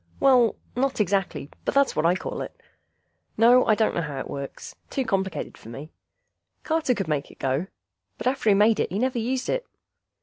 Well, not exactly, but that's what I call it. No, I don't know how it works. Too complicated for me. Carter could make it go, but after he made it he never used it.